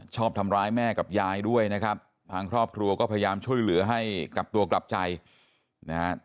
ชอบทำร้ายแม่กับยายด้วยนะครับทางครอบครัวก็พยายามช่วยเหลือให้กลับตัวกลับใจนะฮะ